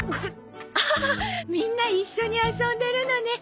アハハみんな一緒に遊んでるのね。